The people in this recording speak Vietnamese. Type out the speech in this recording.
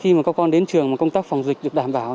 khi mà các con đến trường mà công tác phòng dịch được đảm bảo